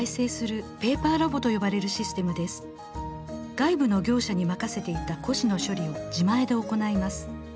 外部の業者に任せていた古紙の処理を自前で行います。